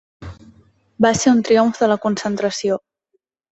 Va ser un triomf de la concentració.